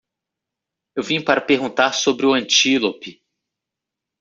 Eu vim para perguntar sobre o antílope.